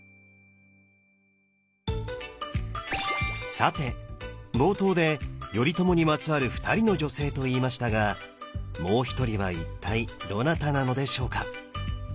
さて冒頭で頼朝にまつわる２人の女性と言いましたがもう一人は一体どなたなのでしょうか？